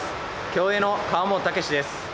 競泳の川本武史です。